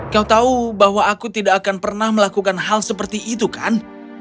kau tahu bahwa aku tidak akan pernah melakukan hal seperti itu kan